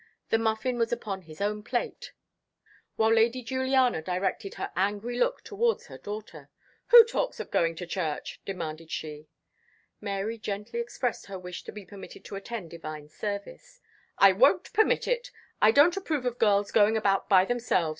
The muffin was upon his own plate, while Lady Juliana directed her angry look towards her daughter. "Who talks of going to church?" demanded she. Mary gently expressed her wish to be permitted to attend divine service. "I won't permit it. I don't approve of girls going about by themselves.